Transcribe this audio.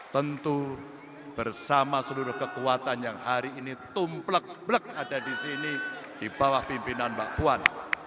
tentu bersama seluruh kekuatan yang hari ini tumplek blek ada di sini di bawah pimpinan mbak puan